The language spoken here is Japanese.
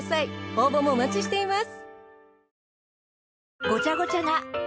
応募もお待ちしています。